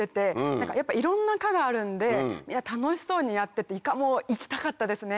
やっぱいろんな科があるんで楽しそうにやってていかも行きたかったですね。